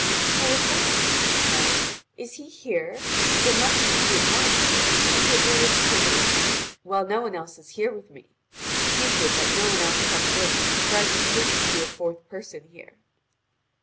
"How is that?" she says, "is he here? Then let him come at once, secretly and privily, while no one is here with me. See to it that no one else come in, for I should hate to see a fourth person here."